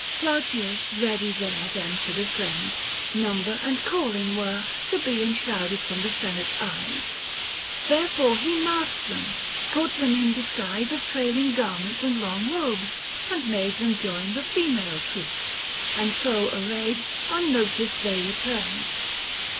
Plautius ready there Them to befriend : number and calling were To be enshrouded from the Senate's eyes ; Therefore he masked them, put them in disguise 830 Of trailing garments and long robes, and made Them join the female troop ; and so arrayed Unnoticed they returned.